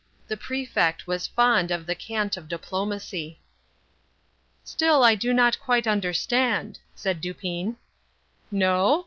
The Prefect was fond of the cant of diplomacy. "Still I do not quite understand," said Dupin. "No?